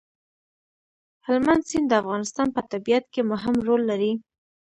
هلمند سیند د افغانستان په طبیعت کې مهم رول لري.